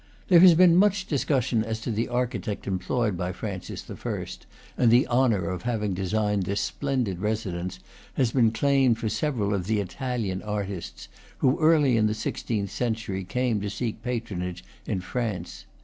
There has been much discus sion as to the architect employed by Francis I., and the honor of having designed this splendid residence has been claimed for several of the Italian artists who early in the sixteenth century came to seek patronage in France.